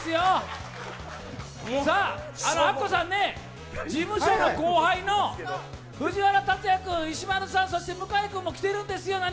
アッコさんね、事務所の後輩の藤原竜也君石丸さん、そして向井君も来てるんですよ。